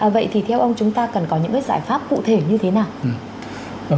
vậy thì theo ông chúng ta cần có những giải pháp cụ thể như thế nào